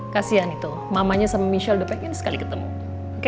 kasian itu mamanya sama michelle the pengen sekali ketemu